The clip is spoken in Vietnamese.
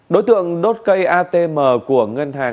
đối tượng đốt cây atm của ngân hàng